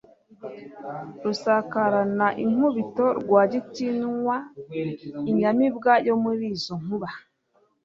Rusakarana inkubito Rwagitinywa, Inyamibwa yo muli izo nkuba